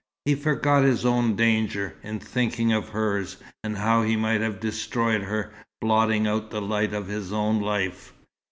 He forgot his own danger, in thinking of hers, and how he might have destroyed her, blotting out the light of his own life.